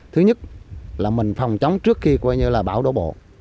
thứ nhất là mình phòng trống trước khi bão đổ bộ